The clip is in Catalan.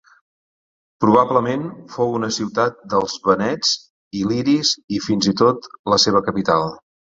Probablement fou una ciutat dels vènets il·liris i fins i tot la seva capital.